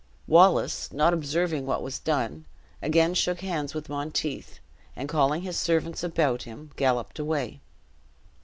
Wallace, not observing what was done, again shook hands with Monteith, and calling his servants about him, galloped away.